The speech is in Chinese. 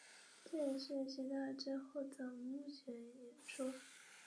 因时因势调整工作着力点和应对举措